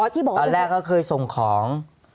ที่บอกว่าตอนแรกเขาเคยส่งของ